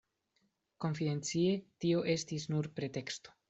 Konfidencie, tio estis nur preteksto.